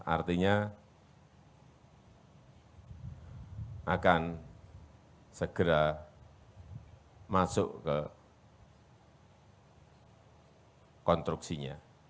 artinya akan segera masuk ke konstruksinya